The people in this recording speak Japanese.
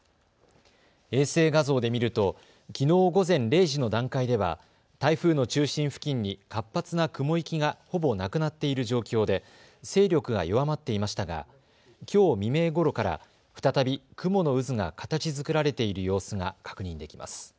衛星画像で見るときのう午前０時の段階では台風の中心付近に活発な雲域がほぼなくなっている状況で勢力が弱まっていましたが、きょう未明ごろから再び雲の渦が形作られている様子が確認できます。